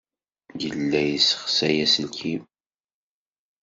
Yella yessexsay aselkim.